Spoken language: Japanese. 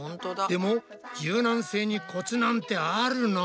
でも柔軟性にコツなんてあるの？